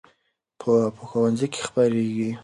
پوهه په ښوونځي کې خپرېږي.